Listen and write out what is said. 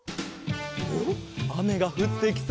おっあめがふってきそうだ。